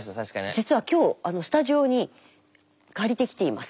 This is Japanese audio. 実は今日スタジオに借りてきています。